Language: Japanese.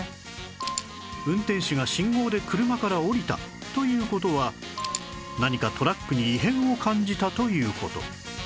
運転手が信号で車から降りたという事は何かトラックに異変を感じたという事